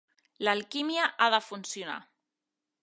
L'alquímia ha de funcionar.